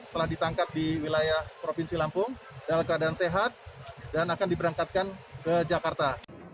telah ditangkap di wilayah provinsi lampung dalam keadaan sehat dan akan diberangkatkan ke jakarta